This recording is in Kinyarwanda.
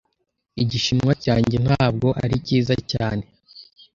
Igishinwa cyanjye ntabwo ari cyiza cyane.